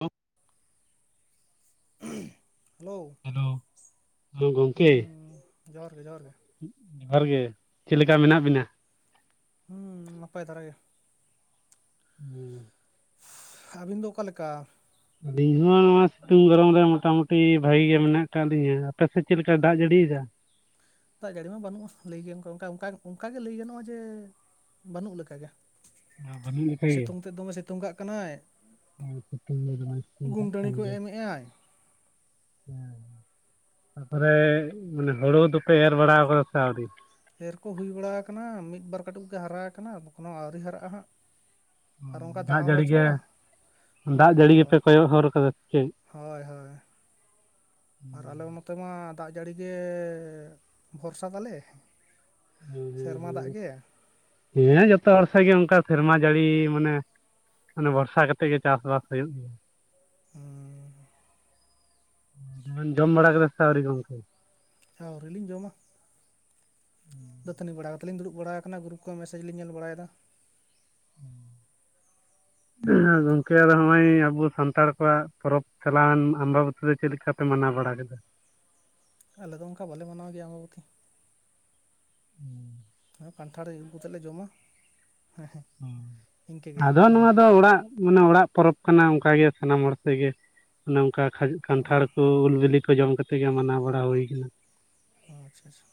ᱦᱮᱞ hello hello ᱦᱮᱸ ᱜᱚᱝᱠᱮ ᱡᱚᱦᱟᱨ ᱜᱮ ᱡᱚᱦᱟᱨ ᱜᱮ ᱡᱚᱦᱟᱨ ᱜᱮ ᱪᱮᱫ ᱞᱮᱠᱟ ᱢᱮᱱᱟᱜ ᱵᱤᱱᱟ ᱦᱩᱸ ᱱᱟᱯᱟᱭ ᱫᱷᱟᱨᱟ ᱜᱮᱭᱟ ᱦᱩᱸ ᱟᱹᱵᱤᱱ ᱫᱚ ᱚᱠᱟᱞᱮᱠᱟ ᱟᱹᱞᱤᱧ ᱦᱚᱸ ᱱᱚᱣᱟ ᱥᱤᱛᱩᱝ ᱜᱚᱨᱚᱢ ᱨᱮ ᱢᱚᱴᱟ ᱢᱩᱴᱤ ᱵᱷᱟᱜᱤ ᱜᱮ ᱢᱮᱱᱟᱜ ᱟᱠᱟᱫ ᱞᱤᱧᱟᱹ ᱟᱯᱮᱥᱮᱫ ᱪᱮᱫ ᱞᱮᱠᱟᱭ ᱫᱟᱜ ᱡᱟᱹᱲᱤᱭ ᱮᱫᱟ ᱫᱟᱜ ᱡᱟᱹᱲᱤ ᱢᱟ ᱵᱟᱹᱱᱩᱜᱼᱟ ᱞᱟᱹᱭ ᱜᱮ ᱚᱱ ᱚᱱᱠᱟ ᱚᱱᱠᱟ ᱚᱱᱠᱟᱜᱮ ᱞᱟᱹᱭ ᱜᱟᱱᱚᱜ-ᱟ ᱡᱮ ᱵᱟᱹᱱᱩᱜ ᱞᱮᱠᱟᱜᱮ ᱵᱟᱹᱱᱩᱜ ᱥᱤᱛᱩᱝ ᱛᱮᱫ ᱫᱚᱢᱮ ᱥᱤᱛᱩᱝ ᱠᱟᱜ ᱠᱟᱱᱟᱭ ᱟᱨ ᱥᱤᱛᱩᱝ ᱞᱟᱹᱭ ᱢᱮ ᱢᱟ ᱥᱤᱛᱩᱝ ᱜᱩᱢᱴᱟᱹᱲᱤ ᱠᱟᱜ ᱠᱚ ᱜᱮᱭᱟ ᱮᱢᱮᱜᱼᱟᱭ [unintelligible] ᱛᱟᱯᱚᱨᱮ ᱢᱟᱱᱮ ᱦᱩᱲᱩ ᱫᱚᱯᱮ ᱮᱨ ᱵᱟᱲᱟ ᱠᱟᱫᱟ ᱥᱮ ᱟᱹᱣᱨᱤ ᱮᱨ ᱠᱚ ᱦᱩᱭ ᱵᱟᱲᱟ ᱟᱠᱟᱱᱟ ᱢᱤᱫ ᱵᱟᱨ ᱠᱟᱹᱴᱩᱵ ᱜᱮ ᱦᱟᱨᱟ ᱟᱠᱟᱱᱟ ᱠᱷᱚᱱᱳ ᱟᱹᱣᱨᱤ ᱦᱟᱨᱟᱜ-ᱟ ᱦᱟᱸᱜ ᱟᱨ ᱚᱱᱠᱟ ᱫᱟᱜ ᱦᱚᱸ ᱡᱟᱹᱲᱤ ᱜᱮ ᱵᱟᱹᱪᱩᱜ-ᱟ ᱦᱚᱸ ᱫᱟᱜ ᱡᱟᱹᱲᱤ ᱜᱮᱯᱮ ᱠᱚᱭᱚᱜ ᱦᱚᱨ ᱠᱟᱫᱟ ᱥᱮ ᱪᱮᱫ? ᱦᱳᱭ ᱦᱳᱭ ᱟᱨ ᱟᱞᱮ ᱱᱚᱛᱮ ᱢᱟ ᱫᱟᱜ ᱡᱟᱹᱲᱤ ᱜᱮ ᱵᱷᱚᱨᱥᱟ ᱫᱟᱞᱮ ᱦᱮᱸ ᱥᱮᱨᱢᱟ ᱫᱟᱜ ᱦᱮᱸ ᱜᱮ ᱦᱮᱸ ᱡᱚᱛᱚ ᱦᱚᱲ ᱥᱮᱫ ᱜᱮ ᱚᱱᱠᱟ ᱥᱮᱨᱢᱟ ᱡᱟᱹᱲᱤ ᱢᱟᱱᱮ ᱢᱟᱱᱮ ᱵᱚᱨᱥᱟ ᱠᱟᱛᱮᱜ ᱜᱮ ᱪᱟᱥᱵᱟᱥ ᱦᱩᱭᱩᱜ ᱜᱮᱭᱟ ᱦᱩ ᱡᱚᱢ ᱵᱟᱲᱟ ᱠᱮᱫᱟ ᱥᱮ ᱟᱹᱣᱨᱤ ᱜᱚᱝᱠᱮ ᱟᱹᱣᱨᱤᱞᱤᱧ ᱡᱚᱢᱟ ᱫᱟᱹᱛᱟᱹᱱᱤ ᱵᱟᱲᱟ ᱠᱟᱛᱮᱞᱤ ᱫᱩᱲᱩᱵ ᱵᱟᱲᱟ ᱠᱟᱱᱟ ᱜᱩᱨᱩᱯ ᱠᱚᱨᱮ ᱢᱮᱥᱮᱡᱽ ᱞᱤᱧ ᱧᱮᱞ ᱵᱟᱲᱟᱭ ᱫᱟ ᱦᱩᱸ ᱜᱚᱝᱠᱮ ᱟ ᱱᱚᱜ-ᱚᱭ ᱟᱵᱚ ᱥᱟᱱᱛᱟᱲ ᱠᱚᱣᱟᱜ ᱯᱚᱨᱚᱵᱽ ᱪᱟᱞᱟᱣᱮᱱ ᱟᱢᱵᱟᱵᱚᱛᱤ ᱫᱚ ᱪᱮᱫ ᱞᱮᱠᱟ ᱯᱮ ᱢᱟᱱᱟᱣ ᱵᱟᱲᱟ ᱠᱮᱫᱟ ᱟᱞᱮᱫᱚ ᱚᱱᱠᱟ ᱵᱟᱞᱮ ᱢᱟᱱᱟᱣ ᱜᱮᱭᱟ ᱟᱢᱵᱟᱵᱚᱛᱤ ᱦᱩᱸ ᱠᱟᱱᱴᱷᱟᱲ ᱟᱹᱜᱩ ᱠᱟᱛᱮᱜ ᱞᱮ ᱡᱚᱢ-ᱟ᱾ ᱦᱮᱸ ᱦᱮᱸ ᱤᱱᱠᱟᱹ ᱜᱮ ᱟᱫᱚ ᱱᱚᱣᱟ ᱫᱚ ᱚᱲᱟᱜ, ᱢᱟᱱᱮ ᱚᱲᱟᱜ ᱯᱚᱨᱚᱵ ᱠᱟᱱᱟ ᱚᱱᱠᱟ ᱜᱮ ᱥᱟᱱᱟᱢ ᱦᱚᱲ ᱛᱮ ᱜᱮ ᱚᱱᱮ ᱚᱱᱠᱟ ᱠᱟᱱᱴᱷᱟᱲ ᱠᱚ ᱩᱞ ᱵᱤᱞᱤ ᱡᱚᱢ ᱠᱟᱛᱮ ᱜᱮ ᱢᱟᱱᱟᱣ ᱵᱟᱲᱟ ᱦᱩᱭ ᱟᱠᱟᱱᱟ᱾ ᱟᱪᱪᱷᱟ ᱟᱪᱪᱷᱟ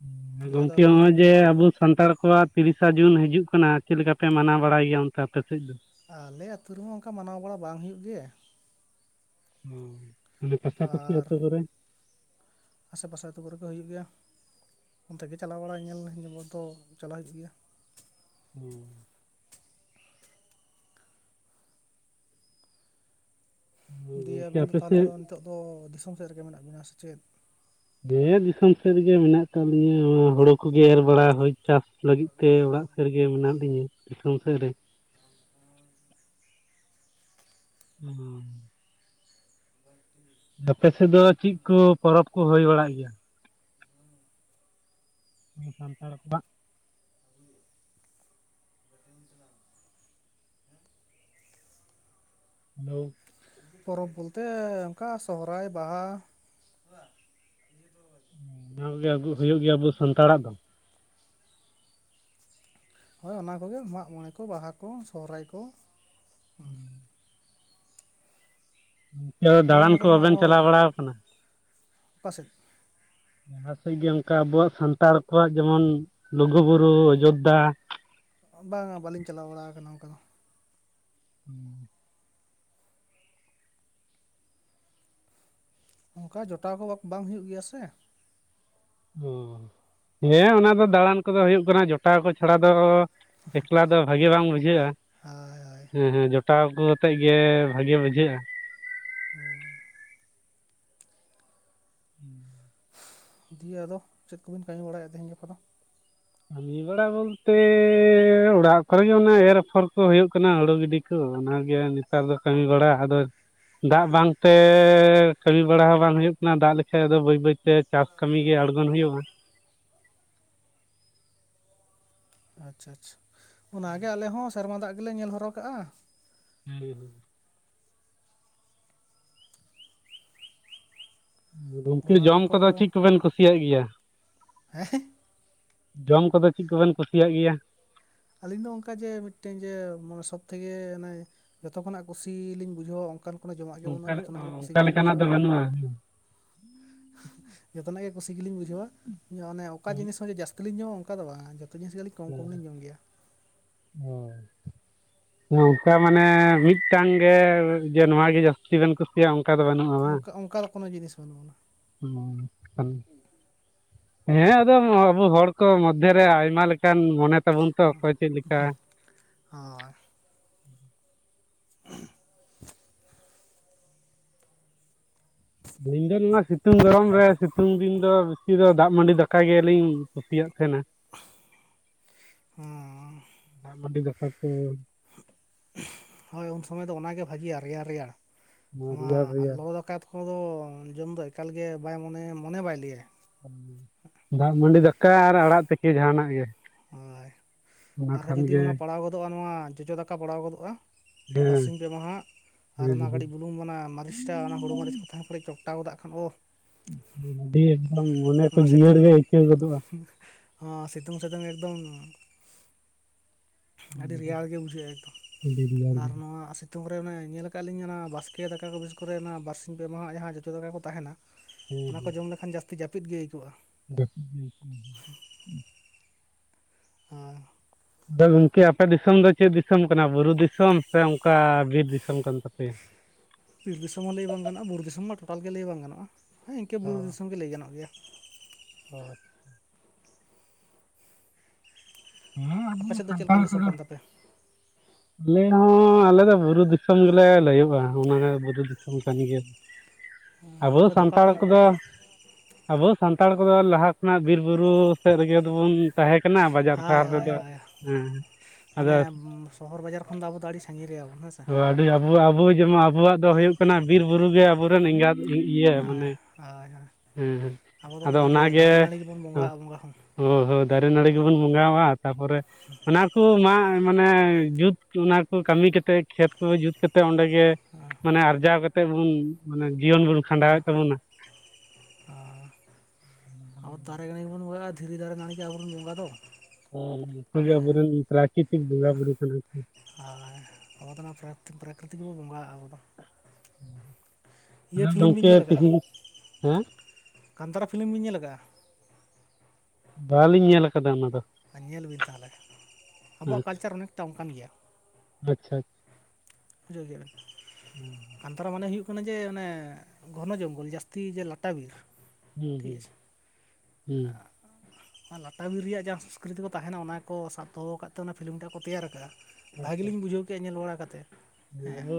[unintelligible] ᱫᱤᱭᱮ ᱟᱫᱚ ᱜᱚᱝᱠᱮ ᱟᱹᱵᱤᱱ ᱫᱚ ᱪᱮᱫ ᱦᱚᱸᱜᱼᱚᱭ ᱵᱤᱱ ᱡᱮ ᱪᱤᱠᱟᱹᱭᱮᱫᱼᱟ ᱟᱵᱚ ᱥᱟᱱᱛᱟᱲ ᱠᱚᱣᱟᱜ? ᱛᱤᱨᱤᱥᱟ ᱡᱩᱱ ᱦᱤᱡᱩᱜ ᱠᱟᱱᱟ ᱪᱮᱜ ᱞᱮᱠᱟ ᱯᱮ ᱢᱟᱱᱟᱣ ᱵᱟᱲᱟᱭ ᱜᱮᱭᱟ ᱚᱱᱛᱮ ᱟᱯᱮ ᱥᱮᱜ ᱫᱚ? ᱟᱞᱮ ᱟᱹᱛᱩ ᱨᱮᱢᱟ ᱚᱱᱠᱟ ᱢᱟᱱᱟᱣ ᱵᱟᱲᱟ ᱵᱟᱝ ᱦᱩᱭᱩᱜ ᱜᱮ ᱾ [unintelligible] ᱯᱟᱥᱟ ᱯᱟᱥᱤ ᱟᱨ ᱟᱹᱛᱩ ᱠᱚᱨᱮ? ᱟᱥᱮ ᱯᱟᱥᱮ ᱟᱹᱛᱩ ᱠᱚᱨᱮᱜ ᱫᱚ ᱦᱩᱭᱩᱜ ᱜᱮᱭᱟ, ᱚᱱᱛᱮ ᱜᱮ ᱪᱟᱞᱟᱣ ᱵᱟᱲᱟ ᱧᱮᱞ [unintelligible] ᱫᱚ ᱪᱟᱞᱟᱣ ᱦᱩᱭᱩᱜ ᱜᱮᱭᱟ ᱾ [unintelligible] ᱫᱤᱭᱮ ᱜᱚᱝᱠᱮ ᱟᱹᱵᱤᱱ ᱫᱚ ᱟᱯᱮ ᱛᱟᱦᱞᱮ ᱥᱮᱫ ᱫᱚ ᱱᱤᱛᱚᱜ ᱫᱚ ᱫᱤᱥᱚᱢ ᱥᱮᱜ ᱨᱮᱜᱮ ᱢᱮᱱᱟᱜ ᱵᱤᱱᱟ ᱥᱮ ᱪᱮᱫ? [unintelligible] ᱫᱤᱥᱚᱢ ᱥᱮᱜ ᱨᱮᱜᱮ ᱢᱮᱱᱟᱜ ᱠᱟᱜ ᱞᱤᱧᱟᱹ ᱦᱳᱲᱳ ᱠᱚᱜᱮ ᱮᱨ ᱵᱟᱲᱟ ᱦᱳᱭ ᱪᱟᱥ ᱞᱟᱹᱜᱤᱫ ᱛᱮ ᱚᱲᱟᱜ ᱥᱮᱜ ᱨᱮᱜᱮ ᱢᱮᱱᱟᱜ ᱞᱤᱧᱟᱹ ᱫᱤᱥᱚᱢ ᱥᱮᱜ ᱨᱮ ᱾ ᱚ [unintelligible] ᱟᱯᱮ ᱥᱮᱜ ᱫᱚ ᱪᱮᱜ ᱠᱚ ᱯᱚᱨᱚᱵᱽ ᱠᱚ ᱦᱩᱭ ᱵᱟᱲᱟᱜ ᱜᱮᱭᱟ? ᱥᱟᱱᱛᱟᱲ ᱠᱚᱣᱟᱻᱜ ᱾ [unintelligible] ᱯᱚᱨᱚᱵᱽ ᱵᱚᱞᱛᱮ ᱚᱱᱠᱟ ᱥᱚᱦᱚᱨᱟᱭ, ᱵᱟᱦᱟ ᱾ [unintelligible] ᱟᱹᱜᱩ ᱦᱩᱭᱩᱜ ᱜᱮᱭᱟ ᱟᱵᱚ ᱥᱟᱱᱛᱟᱲᱟᱜ ᱫᱚ? ᱦᱳᱭ ᱚᱱᱟ ᱠᱚᱜᱮ ᱢᱟᱜᱽ ᱢᱚᱬᱮ ᱠᱚ ᱵᱟᱦᱟ ᱠᱚ ᱥᱚᱨᱦᱟᱭ ᱠᱚ ᱾ [unintelligible] ᱟᱞᱮ ᱫᱟᱬᱟᱱ ᱱᱚᱛᱮ ᱠᱚ ᱫᱚ ᱦᱟᱸᱜ ᱵᱟᱵᱮᱱ ᱟᱨᱦᱚᱸ ᱪᱟᱞᱟᱣ ᱵᱟᱲᱟᱣᱟ ᱠᱟᱱᱟ? ᱚᱠᱟ ᱥᱮᱜ? ᱡᱟᱦᱟᱸ ᱥᱮᱜ ᱜᱮ ᱚᱱᱠᱟ ᱟᱵᱚᱣᱟᱜ ᱥᱟᱱᱛᱟᱲ ᱠᱚᱣᱟᱜ ᱡᱮᱢᱚᱱ ᱞᱩᱜᱩ ᱵᱩᱨᱩ ᱚᱡᱳᱫᱽᱫᱷᱟ ᱾ ᱵᱟᱝᱟ ᱵᱟᱹᱞᱤᱧ ᱪᱟᱞᱟᱣ ᱵᱟᱲᱟ ᱟᱠᱟᱱᱟ ᱚᱱᱠᱟ ᱫᱚ ᱾ [inaudible] ᱚᱱᱠᱟ ᱡᱚᱴᱟᱣ ᱠᱚ ᱵᱟᱝ ᱦᱩᱭᱩᱜ ᱜᱮᱭᱟ ᱥᱮ᱾ ᱳ ᱦᱮᱸ ᱚᱱᱟ ᱫᱚ ᱫᱟᱬᱟᱱ ᱠᱚᱫᱚ ᱦᱩᱭᱩᱜ ᱠᱟᱱᱟ ᱡᱚᱴᱟᱣ ᱠᱚ ᱪᱷᱟᱲᱟ ᱫᱚ, ᱮᱠᱞᱟ ᱫᱚ ᱵᱷᱟᱜᱮ ᱵᱟᱝ ᱵᱩᱡᱷᱟᱹᱜᱼᱟ, ᱦᱳᱭ ᱦᱳᱭ ᱦᱮᱸ ᱦᱮᱸ [unintelligible] ᱠᱚ ᱟᱛᱮᱜ ᱜᱮ ᱵᱷᱟᱜᱮ ᱵᱩᱡᱷᱟᱹᱜᱼᱟ ᱾ [inaudible] [unintelligible] ᱫᱤᱭᱮ ᱟᱫᱚ ᱪᱮᱫ ᱠᱚᱵᱤᱱ ᱠᱟᱹᱢᱤ ᱵᱟᱲᱟᱭᱮᱜᱼᱟ ᱛᱮᱦᱮᱧ ᱜᱟᱯᱟ ᱫᱚ? ᱠᱟᱹᱢᱤ ᱵᱟᱲᱟ ᱵᱚᱞᱛᱮᱻ ᱚᱲᱟᱜ ᱠᱚᱨᱮ ᱜᱮ ᱚᱱᱟ ᱮᱨ ᱟᱯᱷᱚᱨ ᱠᱚ ᱦᱩᱭᱩᱜ ᱠᱟᱱᱟ ᱾ ᱦᱩᱲᱩ ᱜᱤᱰᱤ [inaudible] [unintelligible] ᱚᱱᱟᱜᱮ ᱱᱮᱛᱟᱨ ᱫᱚ ᱠᱟᱹᱢᱤ ᱵᱟᱲᱟ ᱟᱫᱚ? ᱫᱟᱜ ᱵᱟᱝᱛᱮᱻ ᱠᱟᱹᱢᱤ ᱵᱟᱲᱟ ᱦᱚᱸ ᱵᱟᱝ ᱦᱩᱭᱩᱜ ᱠᱟᱱᱟ ᱾ ᱫᱟᱜ ᱞᱮᱠᱷᱟᱡ ᱫᱚ ᱵᱟᱹᱭ ᱵᱟᱹᱭᱛᱮ ᱪᱟᱥ [inaudible] ᱠᱟᱹᱢᱤ ᱜᱮ ᱟᱬᱜᱚᱱ ᱦᱩᱭᱩᱜᱼᱟ ᱾ ᱟᱪᱪᱷᱟ ᱪᱪᱪᱷᱟ, ᱚᱱᱟᱜᱮ ᱟᱞᱮ ᱦᱚᱸ ᱥᱮᱨᱢᱟ ᱫᱟᱜ ᱜᱮᱞᱮ ᱧᱮᱞ ᱦᱚᱨᱚ ᱠᱟᱜᱼᱟ ᱾ [unintelligible] [unintelligible] ᱜᱩᱝᱠᱮ ᱚᱱᱟ ᱡᱚᱢ ᱠᱚ ᱠᱚᱫᱚ ᱪᱮᱜ ᱠᱚᱵᱮᱱ ᱠᱩᱥᱤᱭᱟᱜ ᱜᱮᱭᱟ? [unintelligible] ᱡᱚᱢ ᱠᱚᱫᱚ ᱪᱮᱜ ᱠᱚᱵᱮᱱ ᱠᱩᱥᱤᱭᱟᱜ ᱜᱮᱭᱟ? ᱟᱹᱞᱤᱧ ᱫᱚ ᱚᱱᱠᱟ ᱡᱮ ᱢᱤᱫᱴᱮᱱ ᱡᱮᱮ ᱥᱚᱵ ᱛᱷᱮᱠᱮ ᱚᱱᱮ, ᱡᱚᱛᱚ ᱠᱷᱚᱱᱟᱜ ᱠᱩᱥᱤ ᱞᱤᱧ ᱵᱩᱡᱷᱟᱹᱣᱟ ᱚᱱᱠᱟᱱ ᱠᱳᱱᱳ ᱡᱚᱢᱟᱜ ᱜᱮ ᱚᱱᱠᱟ ᱵᱟᱹᱱᱩᱜᱼᱟ ᱡᱚᱛᱚᱱᱟᱜ ᱜᱮ ᱠᱩᱥᱤ ᱚᱱᱠᱟ ᱜᱮᱞᱤᱧ ᱞᱮᱠᱟᱱᱟᱜ ᱵᱩᱡᱷᱟᱹᱣᱟ ᱫᱚ ᱾ ᱵᱟᱹᱱᱩᱜᱼᱟ [unintelligible] ᱡᱚᱛᱚᱱᱟᱜ ᱜᱮ ᱠᱩᱥᱤ ᱜᱮᱞᱤᱧ ᱵᱩᱡᱷᱟᱹᱣᱟ ᱾ ᱚᱱᱮ ᱚᱠᱟ ᱡᱤᱱᱤᱥ ᱦᱚᱸ ᱡᱮ ᱡᱟᱹᱥ [unintelligible] ᱟᱹᱞᱤᱧ ᱦᱚᱸ ᱚᱱᱠᱟ ᱫᱚ ᱵᱟᱝ ᱡᱚᱛᱚ ᱡᱤᱱᱤᱥ ᱜᱮ [unintelligible] [unintelligible] ᱦᱳᱭ ᱱᱚᱝᱠᱟ ᱢᱟᱱᱮ ᱢᱤᱫᱴᱟᱝ ᱜᱮ ᱡᱮ ᱱᱚᱣᱟ ᱜᱮ ᱡ [unintelligible] [unintelligible] ᱵᱮᱱ ᱠᱩᱥᱤᱭᱟᱜᱼᱟ ᱚᱱᱠᱟ ᱫᱚ ᱵᱟᱹᱱᱩᱜᱼᱟ ᱵᱟᱝ? ᱚᱱᱠᱟ ᱚᱱᱠᱟ ᱫᱚ ᱠᱳᱱᱳ ᱡᱤᱱᱤᱥ ᱵᱟᱹᱱᱩᱜ ᱟᱱᱟ [unintelligible] ᱦᱮᱸ ᱟᱫᱚ ᱟᱵᱚ ᱦᱚᱲ ᱠᱚ ᱢᱚᱫᱷᱮᱨᱮ ᱟᱭᱢᱟ ᱞᱮᱠᱟᱱ ᱢᱚᱱᱮ? ᱛᱟᱵᱚᱱ ᱛᱚ ᱚᱠᱚᱭ ᱪᱮᱫ ᱞᱮᱠᱟ [unintelligible] ᱦᱳᱭ [unintelligible] ᱟᱹᱞᱤᱧ ᱫᱚ ᱱᱚᱣᱟ ᱥᱤᱛᱩᱝ ᱜᱚᱨᱚᱢ ᱨᱮ ᱥᱤᱛᱩᱝ ᱫᱤᱱ ᱫᱚ ᱵᱤᱥᱤ ᱫᱚ ᱫᱟᱜ ᱢᱟᱹᱰᱤ ᱫᱟᱠᱟ ᱜᱮᱞᱤᱧ ᱠᱩᱥᱤᱭᱟᱜ ᱛᱟᱦᱮᱸᱱᱟ ᱾ [unintelligible] ᱦᱩᱸ ᱫᱟᱜ ᱢᱟᱹᱰᱤ ᱫᱟᱠᱟ ᱠᱚ ᱦᱳᱭ ᱩᱱ ᱥᱚᱢᱚᱭ ᱫᱚ ᱚᱱᱟᱜᱮ ᱵᱷᱟᱹᱜᱤᱜᱼᱟ ᱨᱮᱭᱟᱲ ᱨᱮᱭᱟᱲ ᱱᱚᱣᱟ ᱨᱮᱭᱟᱲ ᱨᱮᱭᱟᱲ ᱞᱚᱞᱚ ᱫᱟᱠᱟ ᱠᱚᱫᱚ ᱡᱚᱢ ᱫᱚ ᱮᱠᱟᱞᱜᱮ ᱵᱟᱭ ᱢᱚᱱᱮ ᱢᱚᱱᱮ ᱵᱟᱭ ᱞᱟᱹᱭᱟ᱾ ᱫᱟᱜ ᱢᱟᱹᱰᱤ ᱫᱟᱠᱟ ᱟᱨ ᱟᱲᱟᱜ ᱛᱤᱠᱤ ᱡᱟᱦᱟᱱᱟᱜ ᱜᱮ ᱦᱳᱭ ᱚᱱᱟ ᱟᱨᱦᱚᱸ ᱠᱷᱟᱱ ᱡᱩᱫᱤ ᱜᱮ ᱚᱱᱟ ᱯᱟᱲᱟᱣ ᱜᱚᱫᱚᱜᱼᱟ ᱱᱚᱣᱟ ᱡᱚᱡᱚ ᱫᱟᱠᱟ ᱯᱟᱲᱟᱣ ᱜᱚᱫᱚᱜᱼᱟ ᱦᱮᱸ ᱵᱟᱨᱥᱤᱧ ᱯᱮ ᱢᱟᱦᱟ ᱟᱨ ᱦᱮᱸ ᱚᱱᱟ ᱠᱟᱹᱴᱤᱡ ᱵᱩᱞᱩᱝ ᱚᱱᱟ ᱢᱟᱹᱨᱤᱪᱴᱟ ᱚᱱᱟ ᱦᱩᱲᱩ ᱢᱟᱹᱨᱤᱪ ᱠᱚ ᱛᱟᱦᱮᱸ ᱯᱨᱮ ᱟᱴᱟᱣᱚᱫᱟᱜ ᱠᱷᱟᱱ ᱚᱻ ᱟᱹᱰᱤ ᱮᱠᱫᱚᱢ ᱢᱚᱱᱮ ᱠᱚ ᱡᱤᱭᱟᱹᱲ ᱜᱮ ᱟᱹᱭᱠᱟᱹᱣ ᱜᱚᱫᱚᱜᱼᱟ [inaudible] ᱚ ᱥᱤᱛᱩᱝ ᱥᱤᱛᱩᱝ ᱮᱠᱫᱚᱢ ᱟᱹᱰᱤ ᱨᱮᱭᱟᱲ ᱜᱮ ᱵᱩᱡᱷᱟᱹᱜᱼᱟ ᱮᱠᱫᱚᱢ ᱟᱹᱰᱤ ᱨᱮᱭᱟᱲ ᱟᱨ ᱜᱮ ᱱᱚᱣᱟ ᱥᱤᱛᱳᱝ ᱨᱮ ᱚᱱᱮ ᱧᱮᱞ ᱠᱟᱜᱟ ᱞᱤᱧ ᱚᱱᱟ ᱵᱟᱥᱠᱮ ᱫᱟᱠᱟ ᱠᱚ ᱵᱤᱥ ᱠᱚᱨᱮ ᱚᱱᱟ ᱵᱟᱨᱥᱤᱧ ᱯᱮ ᱢᱟᱦᱟ ᱡᱟᱦᱟᱸ ᱡᱚᱛᱚ ᱫᱟᱠᱟ ᱠᱚ ᱛᱟᱦᱮᱱᱟ ᱦᱮᱸ ᱚᱱᱟ ᱠᱚ ᱦᱮᱸ ᱡᱚᱢ ᱞᱮᱠᱷᱟᱱ ᱡᱟᱹᱥᱛᱤ ᱡᱟᱹᱯᱤᱫ ᱜᱮ ᱟᱹᱭᱠᱜᱼᱟ᱾ [unintelligible] ᱟᱨ ᱟᱫᱚ ᱜᱚᱢᱠᱮ ᱟᱯᱮ ᱫᱤᱥᱚᱢ ᱫᱚ ᱪᱮᱫ ᱫᱤᱥᱚᱢ ᱠᱟᱱᱟ ᱵᱩᱨᱩ ᱫᱤᱥᱚᱢ ᱥᱮ ᱚᱱᱠᱟ ᱵᱤᱨ ᱫᱤᱥᱚᱢ ᱠᱟᱱ ᱛᱟᱯᱮᱭᱟ ᱵᱤᱨ ᱫᱤᱥᱚᱢ ᱦᱚᱸ ᱞᱟᱹᱭ ᱵᱟᱝ ᱜᱟᱱᱚᱜᱼᱟ ᱵᱩᱨᱩ ᱫᱤᱥᱚᱢ ᱢᱟ ᱴᱳᱴᱟᱞ ᱜᱮ ᱞᱟᱹᱭ ᱵᱟᱝ ᱜᱟᱱᱼᱟ ᱦᱮ ᱤᱱᱠᱟᱹ ᱵᱩᱨᱩ ᱫᱤᱥᱚᱢ ᱜᱮ ᱞᱟᱹᱭ ᱜᱟᱱᱚᱜ ᱜᱮᱭᱟ᱾ ᱦᱳᱭ ᱦᱮᱸ ᱟᱵᱚ ᱟᱯᱮ ᱥᱮᱫ ᱫᱚ ᱪᱮᱫ ᱥᱟᱱᱛᱟᱲ ᱞᱮᱠᱟᱱ ᱫᱤᱥᱚᱢ ᱠᱚᱫᱚ ᱠᱟᱱ ᱛᱟᱯᱮᱭᱟ? ᱟᱞᱮ ᱦᱚᱸ ᱟᱞᱮ ᱫᱚ ᱵᱩᱨᱩ ᱫᱤᱥᱚᱢ ᱜᱮᱞᱮ ᱞᱟᱹᱭᱼᱟ ᱚᱱᱟ ᱵᱩᱨᱩ ᱫᱤᱥᱚᱢ ᱠᱟᱱ ᱜᱮᱭᱟ ᱟᱵᱚ ᱟᱯᱮ ᱫᱚ ᱚᱠᱟ ᱥᱟᱱᱛᱟᱲ ᱯᱚᱝ ᱠᱚᱫᱚ ᱟᱵᱚ ᱥᱟᱱᱛᱟᱲ ᱠᱚᱫᱚ ᱞᱟᱦᱟ ᱠᱷᱚᱱᱟᱜ ᱵᱤᱨ ᱵᱩᱨᱩ ᱥᱮᱫ ᱨᱮᱜᱮ ᱫᱚᱵᱩᱱ ᱛᱟᱦᱮᱸ ᱠᱟᱱᱟ ᱵᱟᱡᱟᱨ ᱦᱳᱭ ᱥᱟᱦᱟᱨ ᱦᱳᱭ ᱨᱮᱫᱚ ᱦᱳᱭ ᱦᱮᱸ ᱟᱫᱚ ᱢᱟᱱᱮ ᱥᱚᱦᱚᱨ ᱵᱟᱡᱟᱨ ᱠᱷᱚᱱ ᱫᱚ ᱟᱵᱚ ᱫᱚ ᱟᱹᱰᱤ ᱥᱟᱜᱤᱧ ᱜᱮᱭᱟᱵᱚᱱ ᱦᱮᱸ ᱥᱮ ᱚ ᱟᱹᱰᱤ ᱟᱵᱚ ᱟᱵᱚ ᱡᱮᱢᱚᱱ ᱟᱵᱚᱣᱟᱜ ᱫᱚ ᱦᱩᱭᱩᱜ ᱠᱟᱱᱟ ᱵᱤᱨ ᱵᱩᱨᱩ ᱜᱮ ᱟᱵᱚᱨᱮᱱ ᱮᱸᱜᱟᱛ ᱤᱭᱟᱹ ᱢᱟᱱᱮ ᱦᱮᱸ ᱦᱳᱭ ᱦᱳᱭ ᱦᱮᱸ ᱦᱮᱸ ᱟᱵᱚ ᱫᱚ ᱟᱫᱚ ᱚᱱᱟᱜᱮ ᱫᱟᱨᱮ ᱱᱟᱹᱲᱤ ᱜᱮᱵᱚᱱ ᱵᱚᱸᱜᱟᱜᱼᱟ ᱵᱚᱸᱜᱟ ᱦᱚᱸ ᱚ ᱦᱚᱸ ᱫᱟᱨᱮ ᱱᱟᱹᱲᱤ ᱜᱮᱵᱚᱱ ᱵᱚᱸᱜᱟ ᱛᱟᱯᱚᱨᱮ ᱚᱱᱟ ᱠᱚ ᱢᱟ ᱢᱟᱱᱮ ᱡᱩᱛ ᱚᱱᱟ ᱠᱚ ᱠᱟᱹᱢᱤ ᱠᱟᱛᱮ ᱠᱷᱮᱛ ᱠᱚ ᱡᱩᱛ ᱠᱟᱛᱮᱫ ᱚᱸᱰᱮ ᱜᱮ ᱢᱟᱱᱮ ᱟᱨᱡᱟᱣ ᱠᱟᱛᱮᱫ ᱵᱚᱱ ᱢᱟᱱᱮ ᱡᱤᱭᱚᱱ ᱵᱚᱱ ᱠᱷᱟᱸᱰᱟᱣᱮᱫ ᱛᱟᱵᱚᱱᱟ᱾ ᱟᱨ ᱟᱵᱚ ᱫᱟᱨᱮ ᱱᱟᱹᱲᱤ ᱵᱚᱱ ᱵᱚᱸᱜᱟ ᱫᱷᱤᱨᱤ ᱫᱟᱨᱮ ᱱᱟᱹᱲᱤ ᱟᱵᱚᱨᱮᱱ ᱵᱚᱸᱜᱟ ᱫᱚ ᱦᱚᱸ ᱚᱱᱠᱚ ᱦᱮᱸ ᱜᱮ ᱟᱵᱚᱨᱮᱱ ᱯᱨᱟᱠᱨᱤᱛᱤᱠ ᱵᱚᱸᱜᱟ ᱵᱩᱨᱩ ᱠᱟᱱᱟ ᱠᱚ ᱦᱳᱭ ᱟᱵᱚ ᱫᱚ ᱚᱱᱟ ᱯᱨᱟ ᱯᱨᱟᱠᱨᱤᱛᱤᱠ ᱜᱮ ᱵᱚ ᱵᱚᱸᱜᱟ ᱟᱵᱚ ᱫᱚ ᱤᱭᱟᱹ ᱟᱫᱚ ᱯᱷᱤᱞᱤᱢ ᱵᱤᱱ ᱜᱚᱝᱠᱮ ᱧᱮᱞ ᱠᱟᱜᱼᱟ ᱛᱤᱦᱤᱧ ᱦᱮᱸ ᱠᱟᱱᱛᱟᱨᱟ ᱯᱷᱤᱞᱤᱢ ᱵᱤᱱ ᱧᱮᱞ ᱟᱠᱟᱜᱼᱟ ᱵᱟᱞᱤᱧ ᱧᱮᱞ ᱟᱠᱟᱫᱟ ᱚᱱᱟ ᱫᱚ᱾ ᱟᱨ ᱧᱮᱞ ᱵᱤᱱ ᱛᱟᱦᱚᱞᱮ ᱟᱵᱚᱣᱟᱜ ᱠᱟᱞᱪᱟᱨ ᱚᱱᱮᱠᱴᱟ ᱚᱱᱠᱟᱱ ᱜᱮᱭᱟ᱾ ᱟᱪᱪᱷᱟ ᱵᱩᱡᱷᱟᱹᱣ ᱜᱮ ᱠᱟᱱᱛᱟᱨᱟ ᱢᱟᱱᱮ ᱦᱩᱭᱩᱜ ᱠᱟᱱᱟ ᱡᱮ ᱚᱱᱮ ᱜᱷᱚᱱᱚ ᱡᱚᱝᱜᱚᱞ ᱡᱟᱹᱥᱛᱤ ᱡᱮ ᱞᱟᱴᱟ ᱵᱤᱨ ᱦᱩᱸ ᱴᱷᱤᱠ ᱦᱩᱸ ᱟᱪᱷᱮ ᱦᱮᱸ ᱞᱟᱴᱟ ᱵᱤᱨ ᱨᱮᱭᱟᱜ ᱡᱟᱦᱟᱸ ᱥᱚᱠᱨᱤᱛᱤ ᱠᱚ ᱛᱟᱦᱮᱱᱟ ᱚᱱᱟ ᱠᱚ ᱥᱟᱵ ᱫᱚᱦᱚ ᱟᱠᱟᱫ ᱛᱮ ᱚᱱᱟ ᱯᱷᱤᱞᱤᱢ ᱴᱟᱜ ᱠᱚ ᱛᱮᱭᱟᱨ ᱟᱠᱟᱟᱜᱼᱟ ᱾ ᱵᱷᱟᱜᱮ ᱟᱪᱪᱷᱟ ᱞᱤᱧ ᱵᱩᱡᱷᱟᱹᱣ ᱠᱮᱫᱮᱜᱼᱟ ᱧᱮᱞ ᱵᱟᱲᱟ ᱠᱟᱛᱮᱫ ᱾ ᱟᱵᱚ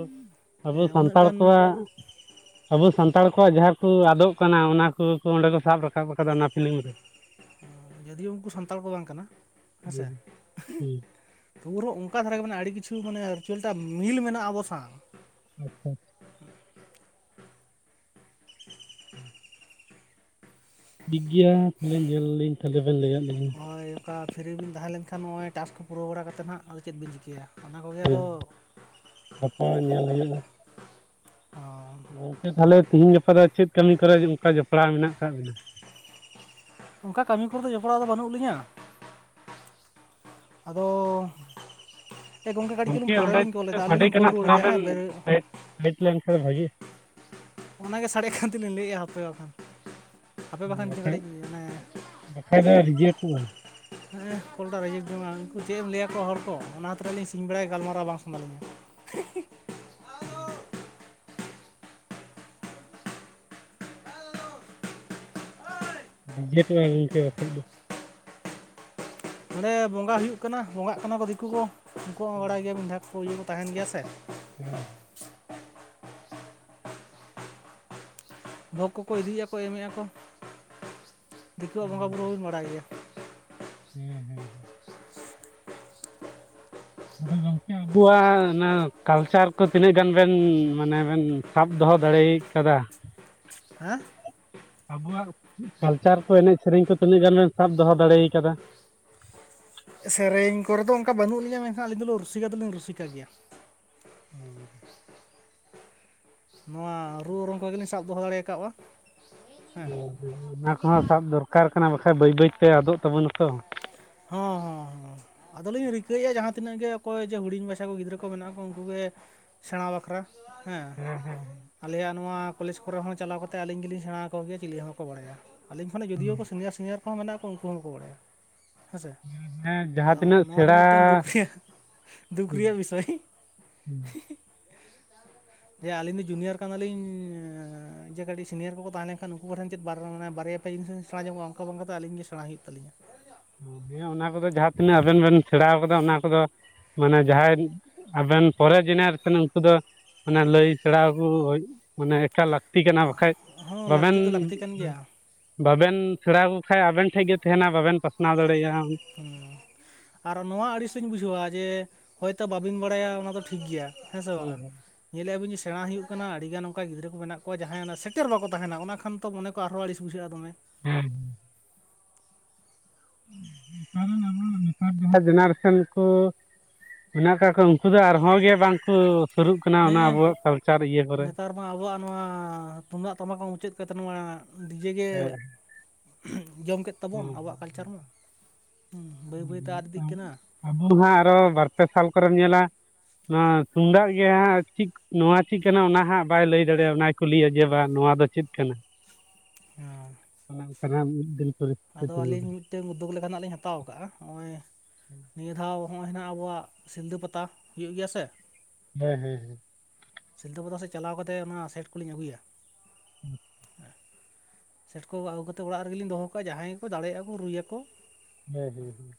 ᱟᱵᱚ ᱥᱟᱱᱛᱟᱲ ᱠᱚᱣᱟᱜ ᱟᱵᱚ ᱥᱟᱱᱛᱟᱲ ᱠᱚᱣᱟᱜ ᱡᱟᱦᱟᱸ ᱠᱚ ᱟᱫᱚᱜ ᱠᱟᱱᱟ᱾ ᱚᱱᱟ ᱠᱚ ᱚᱱᱸᱰᱮ ᱠᱚ ᱥᱟᱵ ᱨᱟᱠᱟᱵ ᱟᱠᱟᱫᱟ ᱚᱱᱟ ᱯᱷᱤᱞᱤᱢ ᱨᱮ᱾ [unintelligible] ᱡᱳᱫᱤᱭᱳ ᱩᱱᱠᱩ ᱥᱟᱱᱛᱟᱲ ᱠᱚ ᱵᱟᱝ ᱠᱟᱱᱟ ᱦᱮᱸᱥᱮ ᱦᱩᱸ ᱦᱩᱸ ᱯᱩᱨᱟᱹ ᱚᱱᱠᱟ ᱫᱷᱟᱨᱟ ᱜᱮ ᱢᱟᱱᱮ ᱟᱹᱰᱤ ᱠᱤᱪᱷᱩ ᱢᱟᱱᱮ ᱨᱤᱡᱟᱞ ᱴᱟ ᱢᱤᱞ ᱢᱮᱱᱟᱜᱼᱟ, ᱟᱵᱚ ᱥᱟᱶ, ᱟᱪᱪᱷᱟ ᱴᱷᱤᱠ ᱜᱮᱭᱟ ᱛᱟᱦᱚᱞᱮ ᱧᱮᱞ ᱞᱤᱧ ᱛᱟᱦᱚᱞᱮ ᱵᱮᱱ ᱞᱟᱹᱭᱟᱫ ᱞᱤᱧᱟᱹ ᱦᱳᱭ ᱚᱠᱟ ᱯᱷᱤᱨᱤ ᱵᱤᱱ ᱛᱟᱦᱮᱸ ᱞᱮᱱᱠᱷᱟᱱ ᱱᱚᱜᱼᱚᱭ ᱴᱟᱥᱠ ᱠᱚ ᱯᱩᱨᱟᱹᱣ ᱵᱟᱲᱟ ᱠᱟᱛᱮᱫ ᱦᱟᱸᱜ ᱟᱫᱚ ᱪᱮᱫ ᱵᱤᱱ ᱪᱤᱠᱟᱹᱭᱟ? ᱚᱱᱟ ᱠᱚᱜᱮ ᱦᱮᱸ ᱟᱫᱚ ᱜᱟᱯᱟ ᱧᱮᱞ ᱦᱩᱭᱩᱜ-ᱟ᱾ ᱜᱚᱝᱠᱮ ᱛᱟᱦᱞᱮ ᱛᱤᱦᱤᱧ ᱜᱟᱯᱟ ᱫᱚ ᱪᱮᱫ ᱠᱟᱹᱢᱤ ᱠᱚᱨᱮ ᱚᱱᱠᱟ ᱡᱚᱯᱲᱟᱣ ᱢᱮᱱᱟᱜ ᱟᱠᱟᱜ ᱵᱤᱱᱟ? ᱚᱱᱠᱟ ᱠᱟᱹᱢᱤ ᱠᱚᱨᱮ ᱫᱚ ᱡᱚᱯᱲᱟᱣ ᱫᱚ ᱵᱟᱹᱱᱩᱜ ᱞᱤᱧᱟ᱾ ᱟᱫᱚ ᱾ ᱮ ᱜᱚᱢᱠᱮ ᱠᱟᱹᱴᱤᱡ ᱪᱩᱞᱩ ᱜᱚᱝᱠᱮ ᱚᱸᱰᱮ ᱯᱚᱨᱮᱞᱤᱧ ᱠᱚᱞ ᱮᱫᱟ ᱟᱹᱞᱤᱧ ᱞᱤᱧ ᱠᱚᱞ ᱨᱩᱣᱟᱹᱲ [inaudible] ᱦᱮᱸ ᱵᱮ [unintelligible] ᱦᱤᱢ ᱞᱮᱱᱠᱷᱟᱱ ᱵᱷᱟᱹᱜᱮ ᱚᱱᱟᱜᱮ ᱥᱟᱰᱮᱜ ᱠᱷᱟᱱ ᱛᱮᱞᱤᱧ ᱞᱟᱹᱭ ᱮᱜᱼᱟ ᱦᱟᱯᱮ ᱵᱟᱠᱷᱟᱱ ᱟᱯᱮ ᱵᱟᱠᱷᱟᱱ ᱵᱟᱠᱷᱟᱡ [inaudible] ᱢᱟᱱᱮ ᱵᱟᱠᱷᱟᱡ ᱫᱚ ᱨᱤᱡᱮᱠᱴᱚᱜᱼᱟ ᱦᱮᱸ ᱠᱚᱞᱴᱟ ᱨᱟᱡᱤᱵᱽ ᱵᱢᱟ ᱩᱱᱠᱩ ᱪᱮᱫ ᱮᱢ ᱞᱟᱹᱭᱟᱠᱚᱣᱟ ᱦᱚᱲ ᱠᱚ ᱚᱱᱟᱛ ᱨᱮ ᱞᱞᱤᱧ ᱥᱤᱧ ᱵᱟᱲᱟᱭᱟ ᱜᱟᱞᱢᱟᱨᱟᱣ ᱵᱟᱝ ᱥᱟᱱᱟ ᱞᱤᱧᱟ [unintelligible] ᱦᱮᱸ [unintelligible] ᱨᱤᱡᱮᱴᱚᱜ-ᱟ ᱜᱚᱝᱠᱮ ᱵᱟᱠᱷᱟᱡ ᱫᱚ᱾ ᱚᱸᱰᱮ ᱵᱚᱸᱜᱟ ᱦᱩᱭᱩᱜ ᱠᱟᱱᱟ ᱵᱚᱸᱜᱟᱜ ᱠᱟᱱᱟ ᱠᱚ ᱫᱤᱠᱩ ᱠᱚ ᱩᱱᱠᱩ ᱦᱚᱸ ᱵᱟᱲᱟᱭ ᱜᱮᱭᱟ ᱵᱤᱱ ᱵᱫᱷᱟ ᱠᱚ ᱤᱭᱟᱹ ᱠᱚ ᱛᱟᱦᱮᱱ ᱜᱮᱭᱟ ᱥᱮ ᱦᱮᱸ᱾ ᱵᱷᱚᱜᱽ ᱠᱚᱠᱚ ᱤᱫᱤᱭᱮᱜ-ᱟ ᱠᱚ ᱮᱢ ᱮᱜᱼᱟ ᱠᱚ ᱫᱤᱠᱩᱣᱟᱜ ᱵᱚᱸᱜᱟᱼᱵᱩᱨᱩ ᱦᱚᱸ ᱵᱤᱱ ᱵᱟᱲᱟᱭ ᱜᱮᱭᱟ᱾ ᱦᱩᱸ ᱦᱩᱸ ᱦᱩᱸ ᱟᱫᱚ ᱜᱚᱝᱠᱮ ᱟᱵᱚᱣᱟᱜ ᱚᱱᱟ ᱠᱟᱞᱪᱟᱨ ᱠᱚ ᱛᱤᱱᱟᱹᱜ ᱜᱟᱱ ᱵᱮᱱ ᱢᱟᱱᱮ ᱵᱮᱱ ᱥᱟᱵ ᱫᱚᱦᱚ ᱫᱟᱲᱮᱭ ᱠᱟᱫᱟ᱾ ᱦᱮᱸ! ᱟᱵᱚᱣᱟᱜ ᱠᱟᱞᱪᱟᱨ ᱠᱚ ᱮᱱᱮᱡ ᱥᱮᱨᱮᱧ ᱠᱚ ᱛᱤᱱᱟᱹᱜ ᱜᱟᱱ ᱮᱢ ᱥᱟᱵ ᱫᱚᱦᱚ ᱫᱟᱲᱮᱭ ᱠᱟᱫᱟ? ᱥᱮᱨᱮᱧ ᱠᱚᱨᱮ ᱫᱚ ᱚᱱᱠᱟ ᱵᱟᱹᱱᱩᱜ ᱞᱤᱧᱟ ᱢᱮᱱᱠᱷᱟᱱ ᱟᱹᱞᱤᱧ ᱫᱚ ᱨᱩᱥᱤᱠᱟ ᱫᱚᱞᱤᱧ ᱨᱩᱥᱤᱠᱟ ᱜᱮᱭᱟ᱾ ᱚᱸᱻ ᱾ ᱱᱚᱣᱟ ᱨᱩ ᱚᱨᱚᱝ ᱠᱚ ᱜᱮᱞᱤᱧ ᱥᱟᱵ ᱫᱚᱦᱚ ᱫᱟᱲᱮᱠᱟᱣᱼᱟ ᱦᱮᱸ᱾ ᱦᱮᱸ ᱚᱱᱟ ᱠᱚᱦᱚᱸ ᱥᱟᱵ ᱫᱚᱨᱠᱟᱨ ᱠᱟᱱᱟ ᱵᱟᱠᱷᱟ ᱵᱟᱹᱭ ᱵᱟᱹᱭᱛᱮ ᱟᱫᱚᱜ ᱛᱟᱵᱚᱱᱟ ᱛᱚ᱾ ᱦᱚᱸ ᱦᱚᱸ ᱦᱚᱸ ᱟᱫᱚᱞᱤᱧ ᱨᱤᱠᱟᱹᱭ ᱮᱜᱼᱟ ᱡᱟᱦᱟᱸ ᱛᱤᱱᱟᱹᱜ ᱜᱮ ᱚᱠᱚᱭ ᱡᱮ ᱦᱩᱰᱤᱧ ᱵᱷᱟᱪᱷᱟ ᱠᱚ ᱜᱤᱫᱽᱨᱟᱹ ᱠᱚ ᱢᱮᱱᱟᱜ ᱠᱚ ᱩᱱᱠᱩᱩᱜ ᱜᱮ ᱥᱮᱬᱟ ᱵᱟᱠᱷᱨᱟ ᱦᱮᱸ ᱻ᱾ ᱟᱞᱮᱭᱟᱜ ᱱᱚᱣᱟ ᱠᱚᱞᱮᱡᱽ ᱠᱚᱨᱮ ᱦᱚᱸ ᱪᱟᱞᱟᱣ ᱠᱟᱛᱮᱜ ᱟᱹᱞᱤᱧ ᱜᱤᱞᱤᱧ ᱥᱮᱬᱟ ᱟᱠᱚᱜᱮᱭᱟ ᱪᱤᱞᱤ ᱦᱚᱸ ᱵᱟᱠᱚ ᱵᱟᱲᱟᱭᱟ᱾ ᱟᱹᱞᱤᱧ ᱠᱷᱚᱱᱟᱜ ᱡᱳᱫᱤᱭᱳ ᱠᱚ ᱥᱤᱱᱤᱭᱟᱨ ᱥᱤᱱᱤᱭᱟᱨ ᱠᱚᱦᱚᱸ ᱢᱮᱱᱟᱜ ᱠᱚᱣᱟ ᱩᱱᱠᱩ ᱦᱚᱸ ᱵᱟᱠᱚ ᱵᱟᱲᱟᱭᱟ᱾ ᱦᱮᱸᱥᱮ ᱦᱮᱸ ᱡᱟᱦᱟᱸ ᱟᱫᱚ ᱛᱤᱱᱟᱹᱜ ᱱᱚᱣᱟ ᱫᱚ ᱥᱮᱬᱟ ᱢᱤᱫᱴᱟᱝ ᱫᱩᱠ ᱨᱮᱭᱟᱜ ᱫᱩᱠ ᱨᱮᱭᱟᱜ ᱵᱤᱥᱚᱭ [unintelligible] ᱡᱮ ᱟᱹᱞᱤᱧ ᱫᱚ ᱡᱩᱱᱤᱭᱟᱨ ᱠᱟᱱᱟᱞᱤᱧ ᱡᱮ ᱠᱟᱹᱴᱤᱡ ᱥᱤᱱᱤᱭᱟᱨ ᱠᱚᱠᱚ ᱛᱟᱦᱮᱸ ᱞᱮᱱ ᱠᱷᱟᱱ ᱩᱱᱠᱩ ᱠᱚ ᱴᱷᱮᱢ [inaudible] ᱵᱟᱨ [unintelligible] ᱟᱹᱞᱤᱧ ᱜᱮ ᱥᱮᱬᱟ ᱦᱩᱭᱩᱜ ᱛᱟᱹᱞᱤᱧ᱾ ᱦᱮᱸ ᱚᱱᱟ ᱠᱚᱫᱚ ᱡᱟᱦᱟᱸ ᱛᱤᱱᱟᱹᱜ ᱟᱵᱮᱱ ᱵᱮᱱ ᱥᱮᱬᱟᱣ ᱠᱟᱫᱟ ᱚᱱᱟ ᱠᱚᱫᱚ ᱢᱟᱱᱮ ᱡᱟᱦᱟᱸᱭ ᱟᱵᱮᱱ ᱯᱚᱨᱮ ᱡᱮᱱᱟᱨᱮᱥᱚᱱ ᱩᱱᱠᱩ ᱫᱚ ᱢᱟᱱᱮ ᱞᱟᱹᱭ ᱥᱮᱬᱟᱣ ᱠᱩ ᱢᱟᱱᱮ ᱮᱠᱟᱞ ᱛᱤ ᱠᱟᱱᱟ ᱵᱟᱠᱷᱟᱡ ᱦᱚᱸ ᱵᱟᱵᱮᱱ ᱞᱟᱹᱠᱛᱤ ᱫᱚ ᱞᱟᱹᱠᱛᱤ ᱠᱟᱱ ᱜᱮᱭᱟ ᱵᱟᱵᱮᱱ ᱥᱮᱬᱟᱣᱠᱚ ᱠᱷᱟᱱ ᱟᱵᱮᱱ ᱴᱷᱮᱡ ᱜᱮ ᱛᱟᱦᱮᱱᱟ ᱵᱟᱵᱮᱱ ᱯᱟᱥᱱᱟᱣ ᱫᱟᱲᱮᱭᱟᱜᱼᱟ᱾ ᱟᱨ ᱱᱚᱣᱟ ᱟᱹᱲᱤᱥ ᱤᱧ ᱵᱩᱡᱷᱟᱹᱣᱟ ᱡᱮ ᱦᱚᱭᱛᱚ ᱵᱟᱹᱵᱤᱱ ᱵᱟᱲᱟᱭᱟ ᱚᱱᱟ ᱫᱚ ᱴᱷᱤᱠ ᱜᱮᱭᱟ ᱦᱮᱸ ᱥᱮ ᱵᱟᱝ -ᱟ ᱾ ᱧᱮᱞᱮᱫᱼᱟ ᱵᱤᱱ ᱡᱮ ᱥᱮᱬᱟ ᱦᱩᱭᱩᱜ ᱠᱟᱱᱟ ᱧᱮᱞ ᱮᱵᱤᱱ ᱡᱮ ᱥᱮᱬᱟ ᱦᱳᱭᱛᱳ ᱠᱟᱱᱟ ᱟᱹᱰᱤ ᱜᱟᱱ ᱚᱱᱠᱟ ᱜᱤᱫᱽᱨᱟᱹ ᱠᱚ ᱢᱮᱱᱟᱜ ᱠᱚᱣᱟ ᱡᱟᱦᱟᱸᱭ ᱚᱱᱟ ᱥᱮᱴᱮᱨ ᱵᱟᱠᱚ ᱛᱟᱦᱮᱱᱟ ᱚᱱᱟ ᱠᱷᱟᱱ ᱛᱚ ᱢᱚᱱᱮ ᱟᱨ ᱦᱚᱸ ᱟᱹᱲᱤᱥ ᱵᱩᱡᱷᱟᱹᱜ-ᱟ ᱫᱚᱢᱮ᱾ [unintelligible] [unintelligible] ᱡᱮᱱᱟᱨᱮᱥᱚᱱ ᱠᱚ ᱢᱮᱱᱟᱜ ᱠᱟᱜ ᱠᱚᱣᱟ ᱩᱱᱠᱩ ᱫᱚ ᱟᱨᱦᱚᱸ ᱜᱮ ᱵᱟᱝᱠᱩ ᱥᱩᱨᱩᱜ ᱠᱟᱱᱟ ᱚᱱᱟ ᱦᱮᱸ ᱟᱵᱚᱣᱟᱜ ᱠᱟᱞᱪᱟᱨ ᱤᱭᱟᱹ ᱠᱚᱨᱮ᱾ ᱱᱮᱛᱟᱨ ᱟᱵᱚᱣᱟᱜ ᱱᱚᱣᱟ ᱛᱩᱢᱫᱟᱜ ᱛᱚᱢᱟ ᱢᱩᱪᱟᱹᱫ ᱠᱟᱛᱮ ᱱᱚᱣᱟ ᱰᱤᱡᱮ ᱜᱮ ᱡᱚᱢ ᱠᱮᱫ ᱛᱟᱵᱚᱱ ᱟᱵᱚᱣᱟᱜ ᱠᱟᱞᱪᱟᱨ ᱢᱟ, ᱦᱩᱸ, ᱵᱟᱹᱭ ᱵᱟᱹᱭᱛᱮ ᱟᱫ ᱤᱫᱤᱜ ᱠᱟᱱᱟ᱾ ᱟᱵᱩ ᱦᱟᱸᱜ ᱟᱨᱚ ᱵᱟᱨ-ᱯᱮ ᱥᱟᱞ ᱠᱚᱨᱮᱢ ᱧᱮᱞᱟ ᱱᱚᱣᱟ ᱛᱩᱢᱫᱟᱜ ᱜᱮ ᱦᱟᱸᱜ ᱪᱤ ᱱᱚᱣᱟ ᱪᱤᱫ ᱠᱟᱱᱟ ᱚᱱᱟ ᱦᱟᱸᱜ ᱵᱟᱭ ᱞᱟᱹᱭ ᱫᱟᱲᱮᱭᱟᱜ ᱚᱱᱟᱭ ᱠᱩᱞᱤᱭᱟ ᱡᱮ, ᱵᱟᱝ ᱱᱚᱣᱟ ᱫᱚ ᱪᱮᱫ ᱠᱟᱱᱟ? ᱦᱩᱸ᱾ [unintelligible] ᱟᱫᱚ ᱟᱹᱞᱤᱧ ᱢᱤᱫᱴᱮᱱ ᱩᱫᱫᱳᱜᱽ ᱞᱮᱠᱟᱱᱟᱜ ᱞᱤᱧ ᱦᱟᱛᱟᱣ ᱠᱟᱜᱼᱟ ᱱᱚᱜᱼᱚᱭ ᱦᱮᱸ ᱱᱤᱭᱟᱹ ᱫᱷᱟᱣ ᱦᱚᱸᱜᱼᱚᱭ ᱦᱮᱱᱟᱜ ᱟᱵᱚᱣᱟᱜ ᱥᱤᱞᱫᱟᱹ ᱯᱟᱛᱟ ᱦᱩᱭᱩᱜ ᱜᱮᱭᱟ ᱥᱮ? ᱦᱮᱸ ᱦᱩᱸ ᱦᱩᱸ ᱥᱤᱞᱫᱟᱹ ᱯᱟᱛᱟ ᱥᱮᱫ ᱪᱟᱞᱟᱣ ᱠᱟᱛᱮ ᱚᱱᱟ ᱥᱮᱴ ᱠᱚᱞᱤᱧ ᱟᱹᱜᱩᱭᱟ [inaudible] ᱥᱮᱴ ᱠᱚ ᱟᱹᱜᱩ ᱠᱟᱛᱮ ᱚᱲᱟᱜ ᱨᱮᱜᱮᱞᱤᱧ ᱫᱚᱦᱚ ᱠᱟᱜᱼᱟ ᱡᱟᱦᱟᱸᱭ ᱜᱮᱠᱚ ᱫᱟᱲᱮᱭᱟᱜᱼᱟ ᱠᱚ ᱨᱩᱭᱟᱠᱚ ᱦᱮᱸ ᱦᱩᱸ ᱦᱩᱸ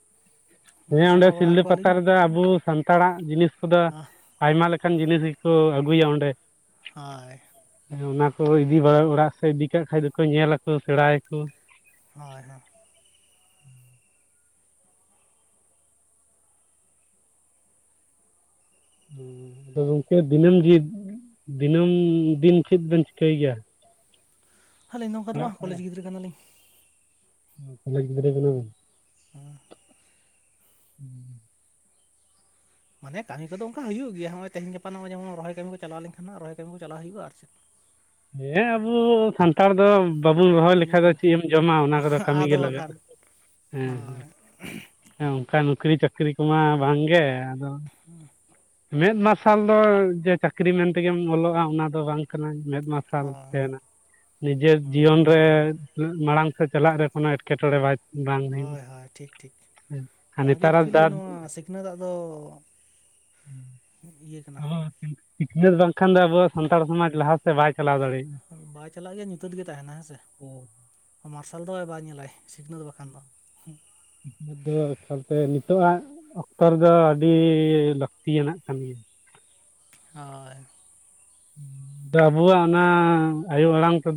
ᱦᱮᱸ ᱚᱸᱰᱮ ᱥᱮᱬᱟ ᱵᱟᱲᱟ ᱥᱤᱞᱫᱟᱹ ᱯᱟᱛᱟ ᱟᱠᱚᱣᱟᱞᱤᱧ ᱨᱮᱫᱚ ᱟᱵᱚ ᱥᱟᱱᱛᱟᱲ ᱟᱜ ᱡᱤᱱᱤᱥ ᱠᱚᱫᱚ ᱦᱳᱭ ᱟᱭᱢᱟ ᱞᱮᱠᱟᱱ ᱡᱤᱱᱤᱥ ᱜᱮᱠᱚ ᱟᱹᱜᱩᱭᱟ ᱚᱸᱰᱮ᱾ ᱦᱳᱭ ᱚᱱᱟ ᱠᱚ ᱤᱫᱤ ᱵᱟᱲᱟ ᱚᱲᱟᱜ ᱥᱮᱫ ᱤᱫᱤ ᱠᱟᱜ ᱠᱷᱟᱡ ᱫᱚᱠᱚ ᱧᱮᱞ ᱟᱠᱚ ᱥᱮᱬᱟᱭ ᱟᱠᱚ ᱾ ᱦᱳᱭ ᱦᱳᱭ ᱟᱫᱚ ᱜᱚᱝᱠᱮ ᱫᱤᱱᱟᱹᱢ ᱫᱤᱱ ᱫᱤᱱᱟᱹᱢ ᱫᱤᱱ ᱪᱮᱫ ᱵᱮᱱ ᱪᱤᱠᱟᱹᱭ ᱜᱮᱭᱟ? ᱟᱹᱞᱤᱧ ᱱᱚᱝᱠᱟ ᱫᱚ ᱚᱲᱟᱜ ᱵᱟᱝ ᱠᱚᱞᱮᱡᱽ ᱠᱚᱨᱮ ᱜᱤᱫᱽᱨᱟᱹ ᱠᱟᱱᱟᱞᱤᱧ [unintelligible] ᱦᱩᱸ ᱦᱩᱸ ᱢᱟᱱᱮ ᱠᱟᱹᱢᱤ ᱠᱚᱫᱚ ᱚᱱᱠᱟ ᱦᱩᱭᱩᱜ ᱜᱮᱭᱟ ᱦᱚᱜᱚᱭ ᱛᱮᱦᱮᱧ ᱜᱟᱯᱟ ᱱᱚᱼ ᱡᱮᱢᱚᱱ ᱨᱚᱹᱦᱚᱭ ᱠᱟᱹᱢᱤ ᱠᱚ ᱪᱟᱞᱟᱣ ᱞᱮᱱ ᱠᱷᱟᱱ ᱨᱚᱦᱚᱭ ᱠᱟᱹᱢᱤ ᱪᱟᱞᱟᱶ ᱦᱩᱭᱩᱜᱼᱟ ᱟᱨ ᱪᱮᱫ [inaudible] ᱦᱮᱸ ᱟᱵᱚ ᱥᱟᱱᱛᱟᱲ ᱫᱚ ᱵᱟᱵᱚᱱ ᱨᱚᱦᱚᱭ ᱤᱱᱟᱹ ᱞᱮᱠᱷᱟᱱ ᱫᱚ ᱠᱚᱜᱮ ᱪᱮᱫ ᱮᱢ ᱡᱚᱢᱼᱟ ᱚᱱᱟ ᱠᱚᱫᱚ ᱠᱟᱹᱢᱤ ᱟᱫᱚ ᱜᱮ ᱞᱟᱜᱟᱜᱼᱟ ᱵᱟᱠᱷᱟᱱ ᱾ ᱦᱳᱭ ᱦᱮᱸ ᱚᱱᱠᱟ ᱱᱩᱠᱨᱤ ᱪᱟᱹᱠᱨᱤ ᱠᱚᱢᱟ ᱵᱟᱝᱜᱮ ᱟᱫᱚ ᱦᱩᱸ ᱢᱮᱫ ᱢᱟᱨᱥᱟᱞ ᱫᱚ ᱡᱮ ᱪᱟᱹᱠᱨᱤ ᱢᱮᱱᱛᱮᱜᱮᱢ ᱚᱞᱚᱜᱼᱟ ᱚᱱᱟ ᱫᱚ ᱵᱟᱝ ᱠᱟᱱᱟ ᱢᱮᱫ ᱢᱟᱨᱥᱟᱞ ᱾ ᱦᱳᱭ ᱛᱟᱦᱮᱱᱟ ᱱᱤᱡᱮᱨ ᱦᱳᱭ ᱡᱤᱭᱚᱱ ᱨᱮ ᱢᱟᱲᱟᱝ ᱥᱮᱫ ᱪᱟᱞᱟᱜ ᱨᱮ ᱠᱳᱱᱳ ᱮᱴᱠᱮᱴᱚᱬᱮ ᱵᱟᱭ ᱵᱟᱝ ᱦᱩᱭᱩᱜᱼᱟ ᱦᱳᱭ ᱦᱳᱭ ᱴᱷᱤᱠ ᱴᱷᱤᱠ ᱟᱨ ᱱᱚᱣᱟ ᱜᱮ ᱱᱮᱛᱟᱨᱟᱜ ᱮᱠᱪᱩᱭᱮᱞᱤ ᱫᱟ ᱱᱚᱣᱟ ᱥᱤᱠᱷᱱᱟᱹᱛ ᱫᱟᱜ ᱫᱚ ᱤᱭᱟᱹ ᱠᱟᱱᱟ ᱥᱤᱠᱷᱱᱟᱹᱛ ᱵᱟᱝᱠᱷᱟᱱ ᱫᱚ ᱟᱵᱚᱶᱟᱜ ᱥᱟᱱᱛᱟᱲ ᱥᱚᱢᱟᱡᱽ ᱞᱟᱦᱟ ᱥᱮᱫ ᱵᱟᱭ ᱪᱟᱞᱟᱣ ᱫᱟᱲᱮᱭᱟᱜᱼᱟ ᱾ ᱵᱟᱭ ᱪᱟᱞᱟᱜ ᱜᱮᱭᱟ ᱧᱩᱛᱟᱹᱛ ᱜᱮ ᱛᱟᱦᱮᱱᱟ ᱦᱮᱸ ᱥᱮ ᱢᱟᱨᱥᱟᱞ ᱫᱚ ᱵᱟᱭ ᱧᱮᱞᱟᱭ ᱥᱤᱠᱷᱱᱟᱹᱛ ᱵᱟᱠᱷᱟᱱ ᱫᱚ ᱾ ᱟᱥᱚᱞᱛᱮ ᱱᱤᱛᱚᱜ ᱟᱜ ᱚᱠᱛᱚ ᱨᱮᱫᱚ ᱟᱹᱰᱤ ᱞᱟᱹᱠᱛᱤᱭᱟᱱᱟᱜ ᱠᱟᱱ ᱜᱮᱭᱟ ᱾ ᱦᱳᱭ ᱾ ᱟᱵᱚᱣᱟᱜ ᱚᱱᱟ ᱟᱭᱳ ᱟᱲᱟᱝ ᱛᱮᱫᱚ ᱾